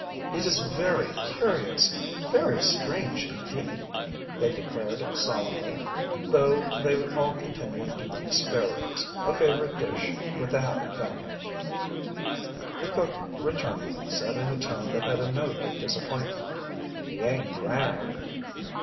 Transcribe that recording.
"It is very curious very strange indeed," they declared solemnly, though they all continued eating spare ribs a favourite dish with The Happy Family. The cook, returning, said in a tone that had a note of disappointment. "He ain't drowned."